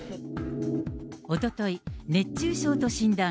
おととい、熱中症と診断。